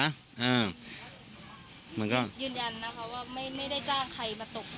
มันก็ยืนยันนะคะว่าไม่ได้จ้างใครมาตก